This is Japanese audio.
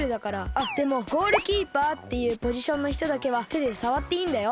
あっでもゴールキーパーっていうポジションのひとだけはてでさわっていいんだよ。